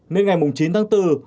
nên ngày chín tháng bốn